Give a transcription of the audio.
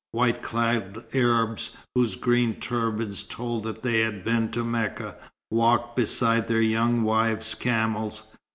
White clad Arabs whose green turbans told that they had been to Mecca, walked beside their young wives' camels.